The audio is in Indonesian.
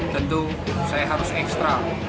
tentu saya harus ekstrem